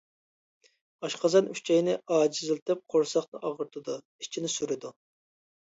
ئاشقازان-ئۈچەينى ئاجىزلىتىپ قورساقنى ئاغرىتىدۇ، ئىچىنى سۈرىدۇ.